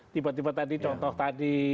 tiba tiba tadi contoh tadi